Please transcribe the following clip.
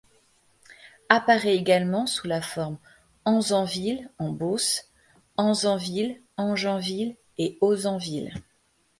Apparait également sous la forme Enzanville en Beauce, Anzanville, Anjanville et Auzanville.